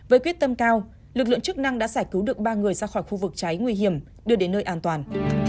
với quyết tâm cao lực lượng chức năng đã giải cứu được ba người ra khỏi khu vực cháy nguy hiểm đưa đến nơi an toàn